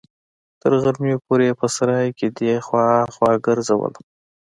تر غرمې پورې يې په سراى کښې دې خوا ها خوا ګرځولم.